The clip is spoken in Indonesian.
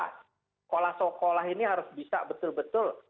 sekolah sekolah ini harus bisa betul betul